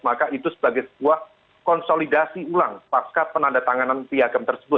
maka itu sebagai sebuah konsolidasi ulang pasca penanda tanganan piagam tersebut